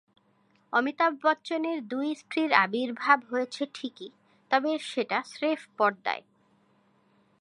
অমিতাভ বচ্চনের দুই স্ত্রীর আবির্ভাব হয়েছে ঠিকই, তবে সেটা স্রেফ পর্দায়।